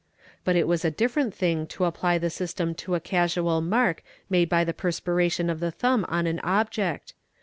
But it was a different thing to apply the system to a casual mark made by the perspiration of the thumb on an object.